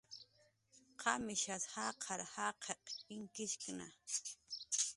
¿Qamishas jaqar jaqiq inkishkna?